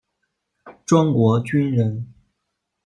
庄国钧人。